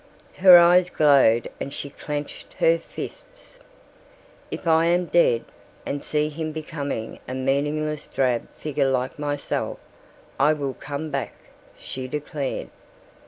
Her eyes glowed and she clenched her fists. "If I am dead and see him becoming a meaningless drab figure like myself, I will come back," she declared.